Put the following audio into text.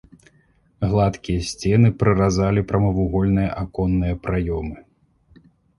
Гладкія сцены праразалі прамавугольныя аконныя праёмы.